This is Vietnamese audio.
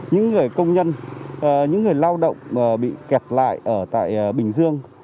những người công nhân những người lao động bị kẹt lại ở tại bình dương